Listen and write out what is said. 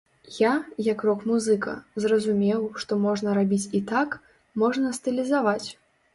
Я, як рок-музыка, зразумеў, што можна рабіць і так, можна стылізаваць.